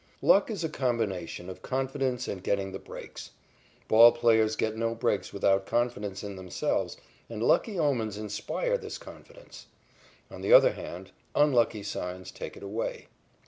Luck is a combination of confidence and getting the breaks. Ball players get no breaks without confidence in themselves, and lucky omens inspire this confidence. On the other hand, unlucky signs take it away.